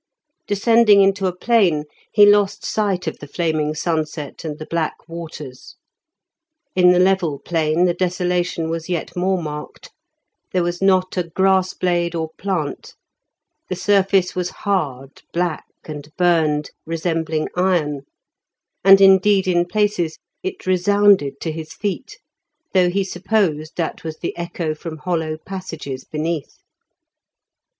Descending into a plain, he lost sight of the flaming sunset and the black waters. In the level plain the desolation was yet more marked; there was not a grass blade or plant; the surface was hard, black, and burned, resembling iron, and indeed in places it resounded to his feet, though he supposed that was the echo from hollow passages beneath.